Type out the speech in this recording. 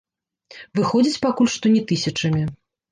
Выходзяць пакуль што не тысячамі.